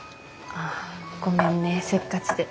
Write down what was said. あっごめんねせっかちで。